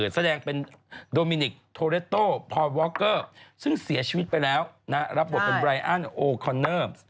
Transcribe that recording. แสดงเป็นโดมินิกโทเรตโต้พอวอคเกอร์ซึ่งเสียชีวิตไปแล้วรับบทเป็นไรอันโอคอนเนอร์